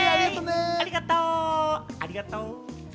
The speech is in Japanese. ありがとう！